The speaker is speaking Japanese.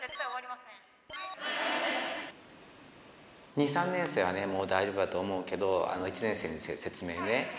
２、３年生はね、もう大丈夫だと思うけど、１年生に説明ね。